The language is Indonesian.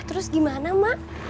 harus kecil kecil deh